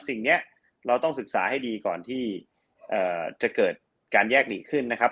สิ่งนี้เราต้องศึกษาให้ดีก่อนที่จะเกิดการแยกหลีกขึ้นนะครับ